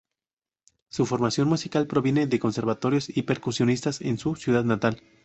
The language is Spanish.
Su formación musical proviene de conservatorios y percusionistas en su ciudad natal.